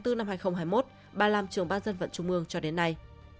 từ tháng bốn hai nghìn hai mươi một bà làm trường ban dân vận trung ương cho đến nay